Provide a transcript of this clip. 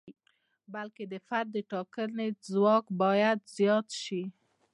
بلکې د فرد د ټاکنې ځواک باید زیات شي.